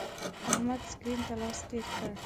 احمد سکرین ته لاس تیر کړ.